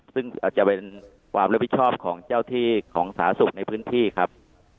ซึ่งอาจจะเป็นความรับผิดชอบของเจ้าที่ของสาธารณสุขในพื้นที่ครับ